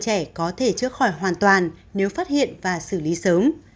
viêm tay giữa có thể chứa khỏi hoàn toàn nếu phát hiện và xử lý sớm